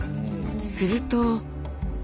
すると。